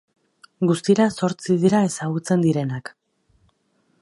Guztira zortzi dira ezagutzen direnak.